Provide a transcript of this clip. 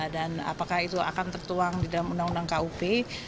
dan apakah itu akan tertuang di dalam undang undang kup